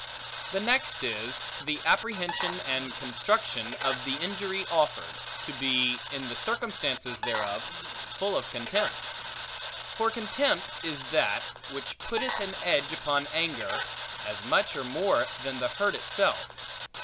The next is, the apprehension and construction of the injury offered, to be, in the circumstances thereof, full of contempt: for contempt is that, which putteth an edge upon anger, as much or more than the hurt itself.